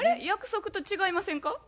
約束と違いませんか？